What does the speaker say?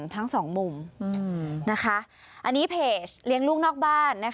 ทั้งสองมุมอันนี้เพจเลี้ยงลูกนอกบ้าน